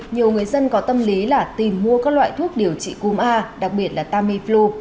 nhiều người dân có tâm lý là tìm mua các loại thuốc điều trị cúm a đặc biệt là tamiflu